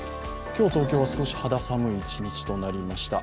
今日、東京は少し肌寒い一日となりました。